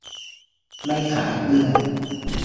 ไม่ขายเพื่อน